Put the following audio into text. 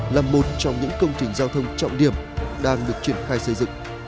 là một trong những công trình giao thông trọng điểm đang được triển khai xây dựng